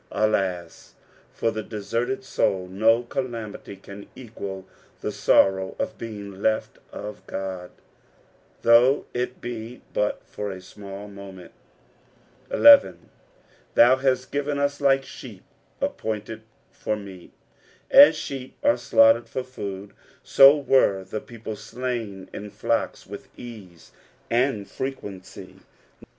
Alas ! for the deserted mdI ; no calamity can equal the sorrow of being left of Qod, though it be but for 11. "Thou hatt iriwn u* Ifiw Atep appointed for meat." Aa sheep are stanghtored for food, so were the people slam in flocks, with ease, and frequency.